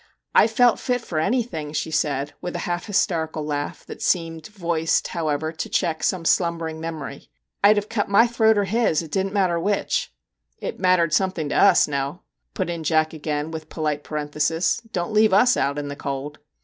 * I felt fit for anything,' she said, with a half hysterical laugh, that seemed voiced, how ever, to check some slumbering memory. ' I 'd have cut my throat or his it didn't matter which '' It mattered something to us, Nell/ put in Jack again, with polite parenthesis 'don't leave us out in the cold.'